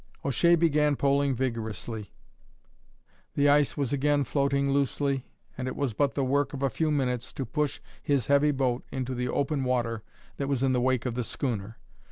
O'Shea began poling vigorously. The ice was again floating loosely, and it was but the work of a few minutes to push his heavy boat into the open water that was in the wake of the schooner.